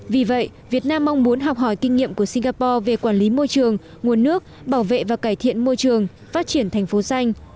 vì vậy việt nam mong muốn học hỏi kinh nghiệm của singapore về quản lý môi trường nguồn nước bảo vệ và cải thiện môi trường phát triển thành phố xanh